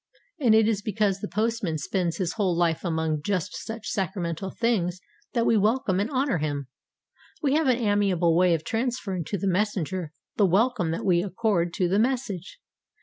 And it is because the postman spends his whole life among just such sacramental things that we welcome and honour him. We have an amiable way of transferring to the messenger the welcome that we accord to the message.